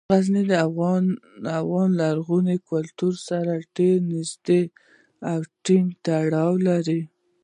غزني د افغان لرغوني کلتور سره ډیر نږدې او ټینګ تړاو لري.